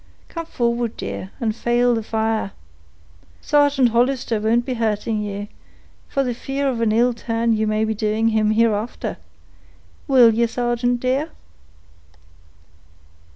Come forward, dear, and fale the fire; Sergeant Hollister won't be hurting you, for the fear of an ill turn you may be doing him hereafter—will ye, sargeant dear?"